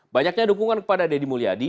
banyaknya dukungan kepada deddy mulyadi